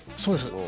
そうです。